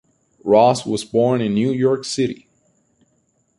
Ross was born in New York City.